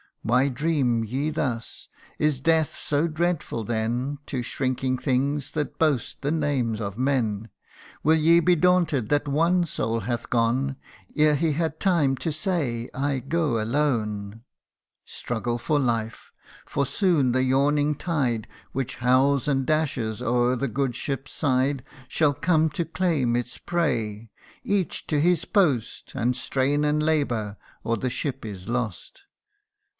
Why dream ye thus ? Is death so dreadful then To shrinking things that boast the name of men ? Will ye be daunted that one soul hath gone Ere he had time to say, l I go alone /' Struggle for life ! for soon the yawning tide, Which howls and dashes o'er the good ship's side, Shall come to claim its prey : each to his post, And strain and labour, or the ship is lost